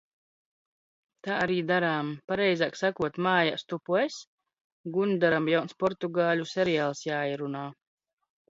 Tā arī darām. Pareizāk sakot, mājās tupu es, – Gundaram jauns portugāļu seriāls jāierunā.